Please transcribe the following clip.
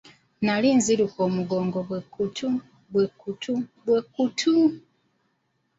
Nnali nziruka omugongo be kkutu, be kkutu, be kkutu!